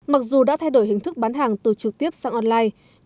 mặc dù đã thay đổi hình thức bán hàng từ trực tiếp sang online